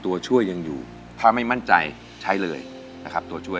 ตัวช่วยยังอยู่ถ้าไม่มั่นใจใช้เลยนะครับตัวช่วย